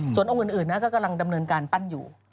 ส่วนองค์อื่นนะก็กำลังดำเนินการปั้นอยู่